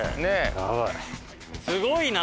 すごいな。